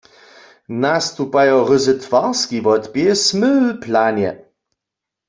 Nastupajo ryzy twarski wotběh smy w planje.